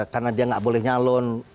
karena dia nggak boleh nyalon